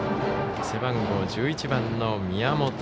背番号１１番の宮本。